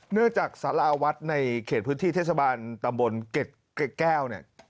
เนื่องจากสาราวัดในเขตพื้นที่เทศบาลตำบลเกร็ดแก้วเนี่ย